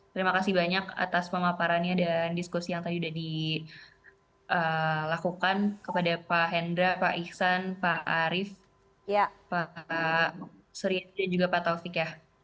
terima kasih banyak atas pemaparannya dan diskusi yang tadi sudah dilakukan kepada pak hendra pak iksan pak arief pak surya dan juga pak taufik ya